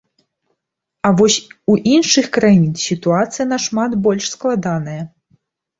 А вось у іншых краін сітуацыя нашмат больш складаная.